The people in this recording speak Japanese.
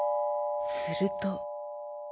すると。